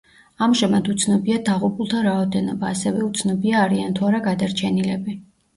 ამჟამად უცნობია დაღუპულთა რაოდენობა, ასევე უცნობია არიან თუ არა გადარჩენილები.